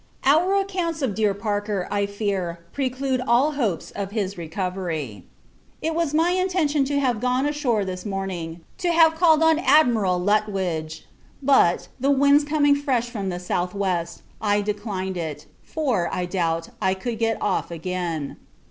Our accounts of dear Parker, I fear, preclude all hopes of his recovery. It was my intention to have gone ashore this morning, to have called on Admiral Lutwidge: but, the wind's coming fresh from the S.W. I have declined it; for, I doubt, if I could get off again.